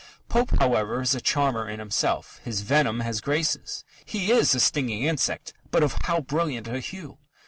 Pope, however, is a charmer in himself. His venom has graces. He is a stinging insect, but of how brilliant a hue!